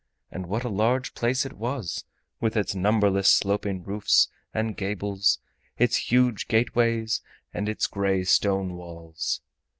And what a large place it was, with its numberless sloping roofs and gables, its huge gateways, and its gray stone walls!